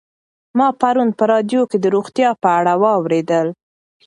ما پرون په راډیو کې د روغتیا په اړه واورېدل.